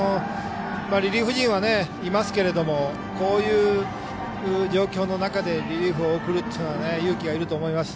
リリーフ陣はいますけれどもこういう状況の中でリリーフを送るっていうのは勇気がいると思います。